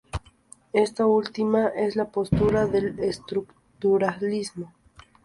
Ésta última es la postura del estructuralismo.